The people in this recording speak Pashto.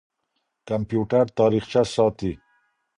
کمپيوټر تاريخچه ساتي.